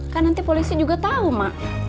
kan nanti polisi juga tahu mak